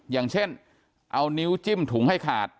อย่างเช่นเอานิ้วจิ้มถุงให้ขาด